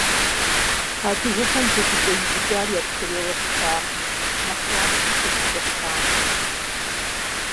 Адыгэхэм джэдыкӀэ ивыкӀар яшхырейуэ щытакъым, нэхъ яшхыр джэдыкӀэ пхъампэт.